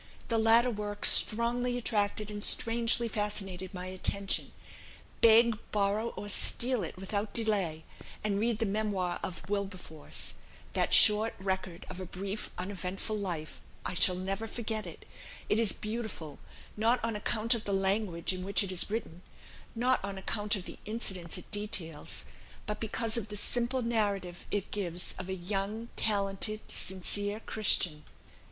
The latter work strongly attracted and strangely fascinated my attention. Beg, borrow, or steal it without delay; and read the 'Memoir of Wilberforce,' that short record of a brief uneventful life; I shall never forget it; it is beautiful, not on account of the language in which it is written, not on account of the incidents it details, but because of the simple narrative it gives of a young talented sincere Christian."